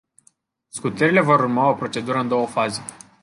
Scutirile vor urma o procedură în două faze.